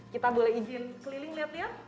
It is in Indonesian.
kita boleh izin keliling lihat ya